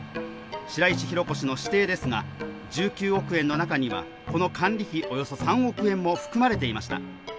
白石浩子氏の私邸ですが、１９億円の中にはこの管理費およそ３億円も含まれていました。